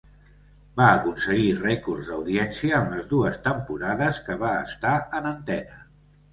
Va aconseguir rècords d'audiència en les dues temporades que va estar en antena.